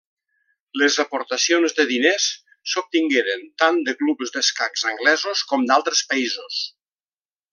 Les aportacions de diners s'obtingueren tant de clubs d'escacs anglesos com d'altres països.